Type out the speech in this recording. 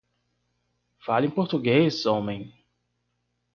Fale em português, homem!